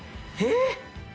えっ！？